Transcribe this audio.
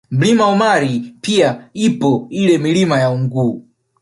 Mlima Umari pia ipo ile Milima ya Unguu